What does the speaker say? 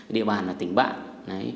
địa bàn là tỉnh bạn